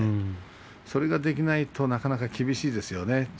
それができないとなかなか厳しいです。